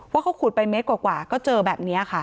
ว่าเขาขุดไปเมตรกว่าก็เจอแบบนี้ค่ะ